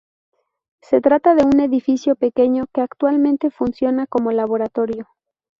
Se trata de un edificio pequeño que actualmente funciona como laboratorio.